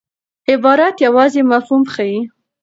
عبارت یوازي مفهوم ښيي.